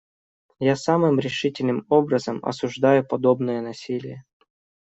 Я самым решительным образом осуждаю подобное насилие.